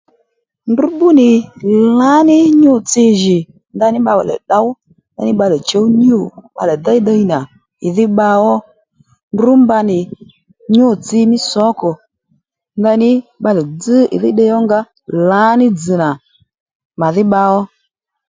Ndrǔ bbú nì lǎní nyû-tsi jì ndaní bbalè tdǒw ndaní balè chǔw nyû bbalè déy ddiy nà ìdhí bba ó ndrǔ mba nì nyû-tsi mí sǒkò ndaní bbalè dzź ìdhí ddiy ónga lǎní dzz̀ nà màdhí bba ó